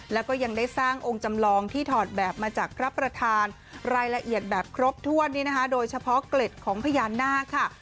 แล้วก็ยังได้สร้างองค์จำลองที่ถอดแบบมาจากพระประธานรายละเอียดแบบครบถ้วนโดยเฉพาะเกล็ดของพญานาคค่ะ